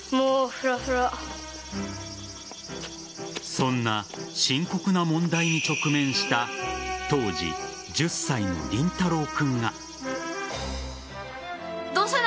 そんな深刻な問題に直面した当時１０歳の凛太郎君が。